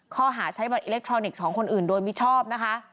ข้อหาใช้บัตรอิเล็กทรอนิกส์ของคนอื่นโดยมิชอบนะคะ